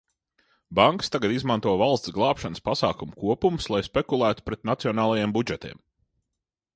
Bankas tagad izmanto valsts glābšanas pasākumu kopumus, lai spekulētu pret nacionālajiem budžetiem.